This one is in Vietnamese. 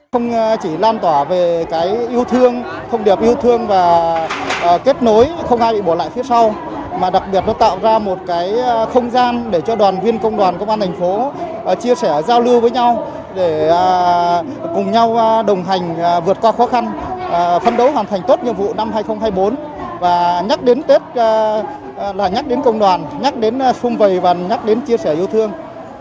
không chỉ lan tỏa về cái yêu thương thông điệp yêu thương và kết nối không ai bị bỏ lại phía sau mà đặc biệt nó tạo ra một cái không gian để cho đoàn viên công đoàn công an tp chia sẻ giao lưu với nhau để cùng nhau đồng hành vượt qua khó khăn phân đấu hoàn thành tốt nhiệm vụ năm hai nghìn hai mươi bốn và nhắc đến tết là nhắc đến công đoàn nhắc đến phung vầy và nhắc đến chia sẻ yêu thương